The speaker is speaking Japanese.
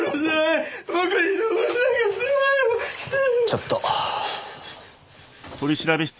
ちょっと。